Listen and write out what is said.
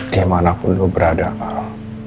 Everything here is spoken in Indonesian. dimanapun lu berada al